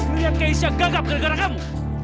lihat keisha gagap gara gara kamu